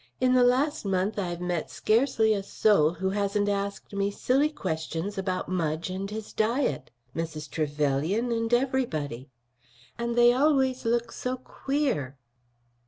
In the last month I've met scarcely a soul who hasn't asked me silly questions about Mudge and his diet. Mrs. Trevelyan and everybody. And they always look so queer."